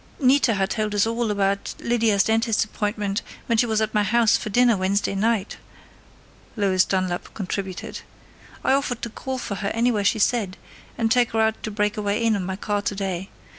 "Nita had told us all about Lydia's dentist's appointment when she was at my house for dinner Wednesday night," Lois Dunlap contributed. "I offered to call for her anywhere she said, and take her out to Breakaway Inn in my car today.